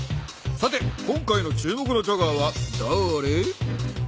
さて今回の注目のチャガーはだれ？